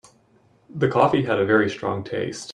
The coffee had a very strong taste.